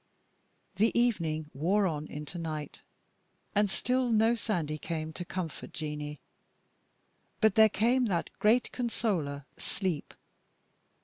The evening wore on into night, and still no Sandy came to comfort Jeanie; but there came that great consoler, sleep.